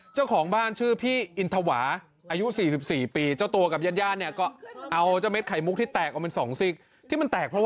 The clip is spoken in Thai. เจ้าของบ้านชื่อพี่อินทวาอายุ๔๔ปี